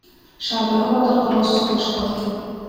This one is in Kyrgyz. Шаардагы балдар кароосуз калышкан.